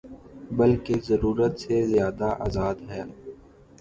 بلکہ ضرورت سے زیادہ آزاد ہے۔